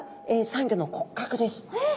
えっ。